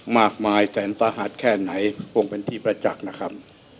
มากมายแสนสาหัสแค่ไหนคงเป็นที่ประจักษ์นะครับ